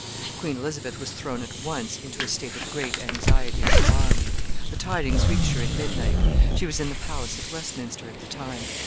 Queen Elizabeth was thrown at once into a state of great anxiety and alarm. The tidings reached her at midnight. She was in the palace at Westminster at the time.